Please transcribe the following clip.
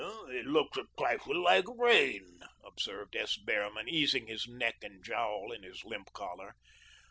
"It looks a trifle like rain," observed S. Behrman, easing his neck and jowl in his limp collar.